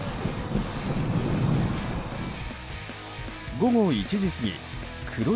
午後１時過ぎ黒い